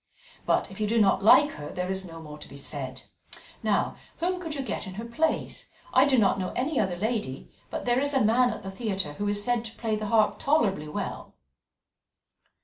But if you do not like her, there is no more to be said. Now, whom could you get in her place? I do not know any other lady, but there is a man at the theatre who is said to play the harp tolerably well."